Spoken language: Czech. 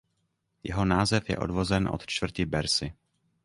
Jeho název je odvozen od čtvrti Bercy.